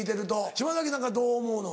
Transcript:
島崎なんかどう思うの？